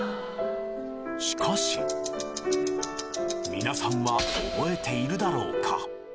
しかしみなさんは覚えているだろうか？